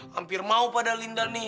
hampir mau pada linda nih